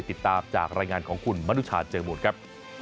ติดตามจากรายงานของคุณมนุชาเจอบุตรครับ